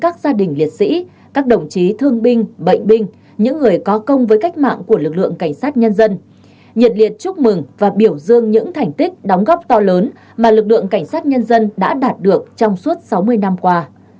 các gia đình liệt sĩ thương binh bệnh binh những người có công với cách mạng của lực lượng cảnh sát nhân dân nhiệt liệt chúc mừng và biểu dương những thành tích đóng góp to lớn mà lực lượng cảnh sát nhân dân đã đạt được trong suốt sáu mươi năm qua